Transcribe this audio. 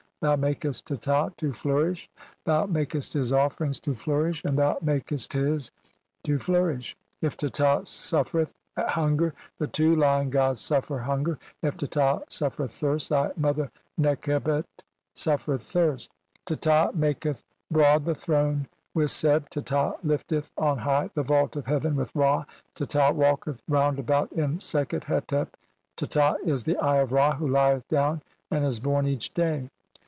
Thou "makest Teta to flourish, thou makest his offerings "to flourish, and thou makest his to flourish ; "if Teta suffereth hunger, the two Lion gods suffer "hunger ; if Teta suffereth thirst, thy mother Nekheb "et suffereth thirst." "Teta maketh broad the throne (?) with Seb ; Teta "lifteth on high the vault of heaven with Ra ; Teta "walketh round about in Sekhet hetep. Teta is the "Eye of Ra who lieth down and is born each day."